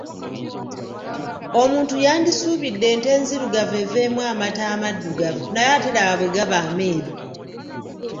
Omuntu yandisuubidde ente enzirugavu eveemu amata amaddugavu naye ate laba bwe gaba ameeru.